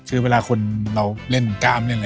คือเวลาคนเราเล่นกร่าบที่นี่ละ